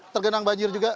tergenang banjir juga